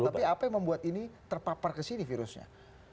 tapi apa yang membuat ini terpapar ke sini virusnya